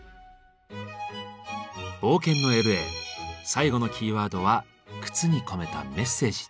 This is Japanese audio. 冒険のＬ．Ａ．最後のキーワードは「靴に込めたメッセージ」。